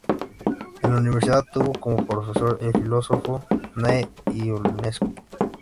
En la universidad tuvo como profesor al filósofo Nae Ionescu.